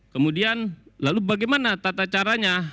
kemudian lalu bagaimana tata caranya